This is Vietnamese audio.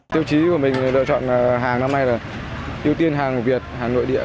tiêu chí của mình là chọn hàng năm nay là tiêu tiên hàng việt hàng nội địa